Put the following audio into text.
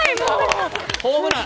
ホームラン！